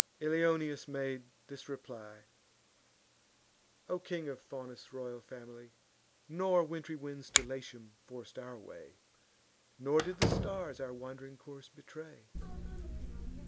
Ilioneus made this reply: "O king, of Faunus' royal family! Nor wintry winds to Latium forc'd our way, Nor did the stars our wand'ring course betray.